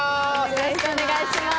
よろしくお願いします。